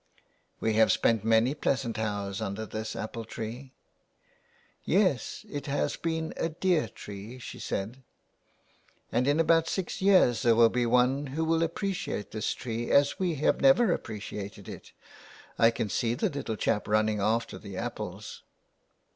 '' We have spent many pleasant hours under this apple tree." " Yes, it has been a dear tree," she said. " And in about six years there will be one who will appreciate this tree as we have never appreciated it. I can see the little chap running after the apples."